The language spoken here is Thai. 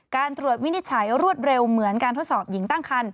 การตรวจวินิจฉัยรวดเร็วเหมือนการทดสอบหญิงตั้งคัน